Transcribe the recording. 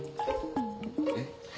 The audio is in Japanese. えっ？